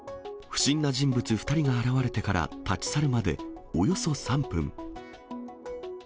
不審な人物２人が現れてから立ち去るまでおよそ３分。